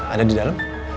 ada di dalam